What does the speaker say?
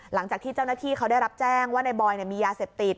หลังจากที่เจ้าหน้าที่เขาได้รับแจ้งว่าในบอยมียาเสพติด